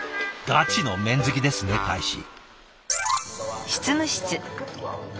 ガチの麺好きですね大使。